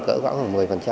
cỡ gõ khoảng một mươi